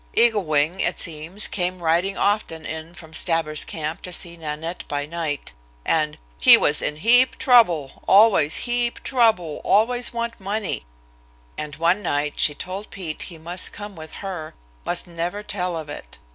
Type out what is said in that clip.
Eagle Wing, it seems, came riding often in from Stabber's camp to see Nanette by night, and "he was in heap trouble, always heap trouble, always want money," and one night she told Pete he must come with her, must never tell of it.